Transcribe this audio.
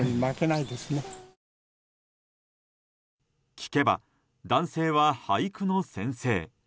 聞けば、男性は俳句の先生。